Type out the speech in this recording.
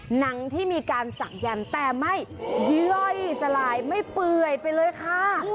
หนังที่มีการศักดันแต่ไม่ย่อยสลายไม่เปื่อยไปเลยค่ะ